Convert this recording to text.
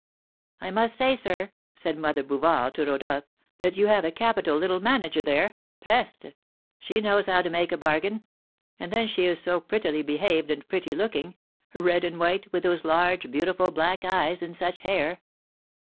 "I must say, sir," said Mother Bouvard to Rodolph, "that you have a capital little manager there. Peste! she knows how to make a bargain! And then she is so prettily behaved and pretty looking! red and white, with those large, beautiful black eyes, and such hair!"